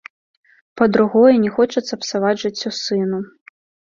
Па-другое, не хочацца псаваць жыццё сыну.